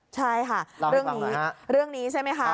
ใช่ค่ะเรื่องนี้ใช่ไหมคะ